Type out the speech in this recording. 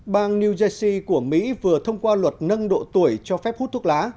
bang new jersey của mỹ vừa thông qua luật nâng độ tuổi cho phép hút thuốc lá